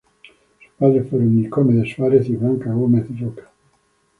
Sus padres fueron Nicomedes Suárez y Blanca Gómez Roca.